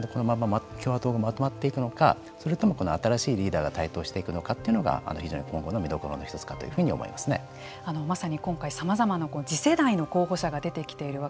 それからケリー・レイクさんもそうですけれどもトランプさんと共和党がまとまっていくのかそれとも新しいリーダーが台頭していくのかというのが非常に今後の見どころの１つかというふうに思いますね。